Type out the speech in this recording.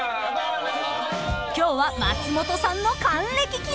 ［今日は松本さんの還暦記念］